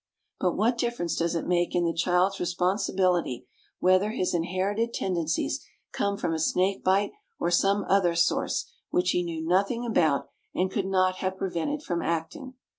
But what difference does it make in the child's responsibility whether his inherited tendencies come from a snake bite or some other source which he knew nothing about and could not have prevented from acting?